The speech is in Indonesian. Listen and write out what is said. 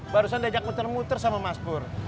barusan diajak muter muter sama mas bur